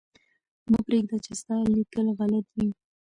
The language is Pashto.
مه پرېږده چې ستا لیکل غلط وي.